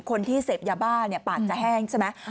คนที่เสพยาบ้าปากจะแห้งใช่ไหม